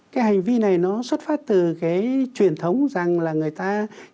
cái hành vi này nó xuất phát từ cái truyền thống rằng là người ta